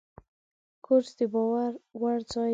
کورس د باور وړ ځای وي.